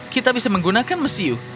kita bisa menggunakan mesiu